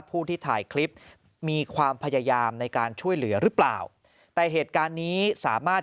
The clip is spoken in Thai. ผู้ที่ถ่ายคลิปมีความพยายามในการช่วยเหลือหรือเปล่าแต่เหตุการณ์นี้สามารถ